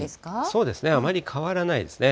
そうですね、あまり変わらないですね。